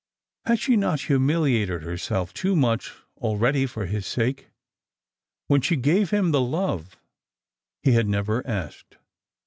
pad she not humiliated herself too much already for his sake, when she gave him the love he had never asked